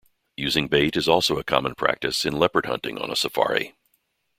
Using bait is also a common practice in leopard hunting on a safari.